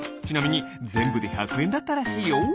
ちなみにぜんぶで１００えんだったらしいよ。